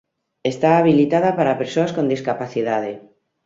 Está habilitada para persoas con discapacidade.